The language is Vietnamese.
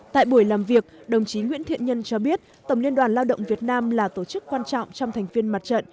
tại buổi làm việc đồng chí nguyễn thiện nhân cho biết tổng liên đoàn lao động việt nam là tổ chức quan trọng trong thành viên mặt trận